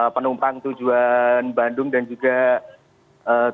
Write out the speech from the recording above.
penumpang tujuan bandung dan juga tujuan bandung